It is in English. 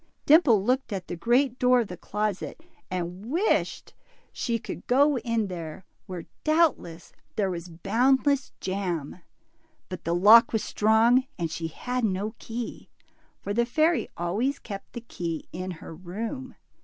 Dimple looked at the great door of the closet, and wished she could 4 50 DIMPLE, go in there, where doubtless there was boundless jam, but the lock was strong and she had no key, for the fairy always kept the key in her room.